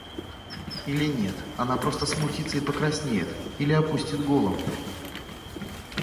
Или нет, она просто смутится и покраснеет или опустит голову.